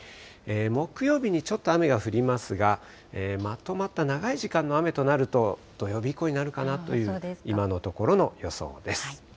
木曜日にちょっと雨が降りますが、まとまった長い時間の雨となると、土曜日以降になるかなと、今のところの予想です。